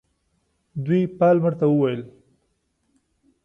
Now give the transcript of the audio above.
دوی پالمر ته وویل.